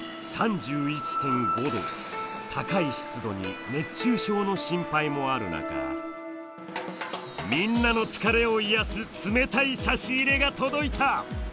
高い湿度に熱中症の心配もある中みんなの疲れを癒やす冷たい差し入れが届いた！